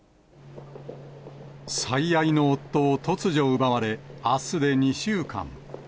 最愛の夫を突如奪われ、あすで２週間。